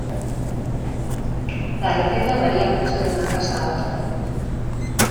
La receta varía mucho de una casa a otra.